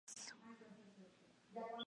Sus padres eran inmigrantes belgas.